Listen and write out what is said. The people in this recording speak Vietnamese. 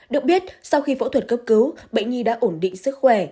được biết sau khi phẫu thuật cấp cứu bệnh nhi đã ổn định sức khỏe